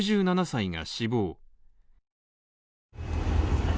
６７歳が死亡。